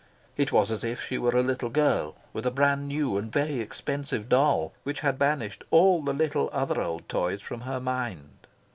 It was as if she were a little girl with a brand new and very expensive doll which had banished all the little other old toys from her mind.